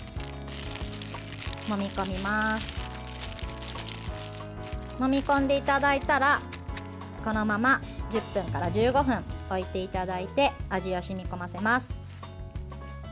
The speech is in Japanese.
もみ込んでいただいたらこのまま１０分から１５分置いていただいて味を染み込ませます。